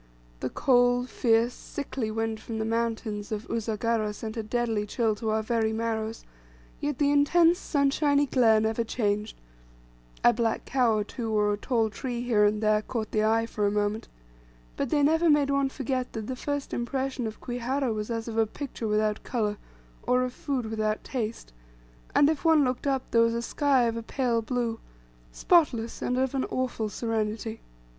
The cold, fierce, sickly wind from the mountains of Usagara sent a deadly chill to our very marrows, yet the intense sunshiny glare never changed, a black cow or two, or a tall tree here and there, caught the eye for a moment, but they never made one forget that the first impression of Kwihara was as of a picture without colour, or of food without taste; and if one looked up, there was a sky of a pale blue, spotless, and of an awful serenity.